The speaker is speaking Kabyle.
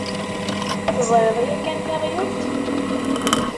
Teẓriḍ yakan taɣyult?